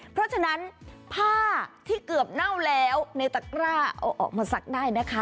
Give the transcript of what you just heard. เพราะฉะนั้นผ้าที่เกือบเน่าแล้วในตะกร้าเอาออกมาซักได้นะคะ